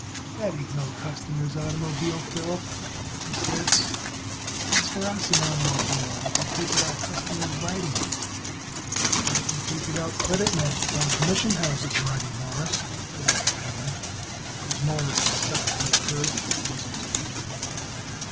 "That ain't no customer's oitermobile, Philip," he said. "That's for us an oitermobile, what we take it out our customers riding in." "Why don't you take it out credit men from commission houses riding, Mawruss?" Philip rejoined as Morris stepped from the curb to cross the street.